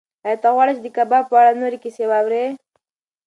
ایا ته غواړې چې د کباب په اړه نورې کیسې واورې؟